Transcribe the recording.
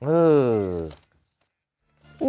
เออ